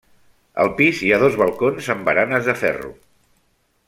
Al pis hi ha dos balcons amb baranes de ferro.